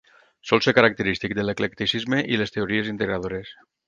Sol ser característic de l'eclecticisme i les teories integradores.